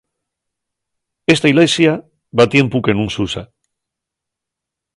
Esta ilesia va tiempu que nun s'usa.